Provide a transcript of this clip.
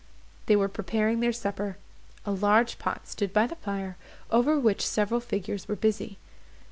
They were preparing their supper; a large pot stood by the fire, over which several figures were busy.